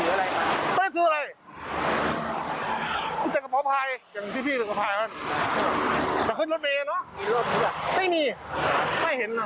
ก็ได้ซื้ออะไรจังหวัดภายอย่างที่พี่จังหวัดภายแต่คือรถเนี้ยเนอะไม่มีไม่เห็นอ่ะ